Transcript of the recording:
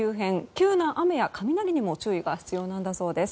急な雨や雷にも注意が必要だそうです。